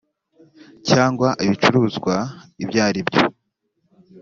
cyangwa ibicuruzwa ibyo aribyo